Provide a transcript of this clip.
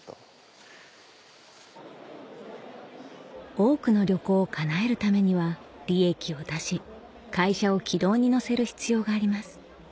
多くの旅行を叶えるためには利益を出し会社を軌道に乗せる必要があります